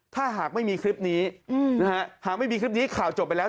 ถ้าหากไม่มีคลิปนี้นะฮะหากไม่มีคลิปนี้ข่าวจบไปแล้ว